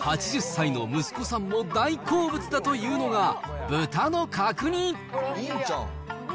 ８０歳の息子さんも大好物だというのが、豚の角煮。